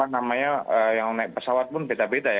namanya yang naik pesawat pun beda beda ya